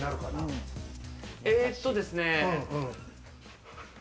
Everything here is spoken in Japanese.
えっとですね。